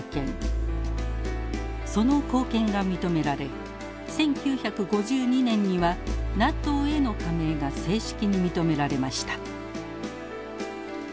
その貢献が認められ１９５２年にはＮＡＴＯへの加盟が正式に認められました。